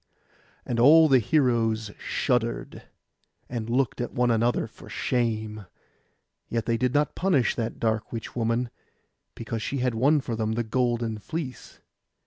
And all the heroes shuddered, and looked one at the other for shame; yet they did not punish that dark witch woman, because she had won for them the golden fleece.